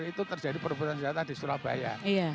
itu terjadi perebutan senjata di surabaya